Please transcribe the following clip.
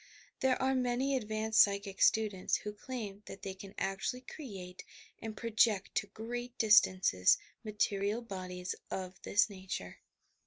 There are many advanced psychic students who claim that they can actually create and project to great distances material bodies of this nature.